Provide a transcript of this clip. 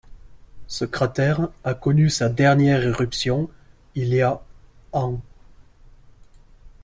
Ce cratère a connu sa dernière éruption il y a ans.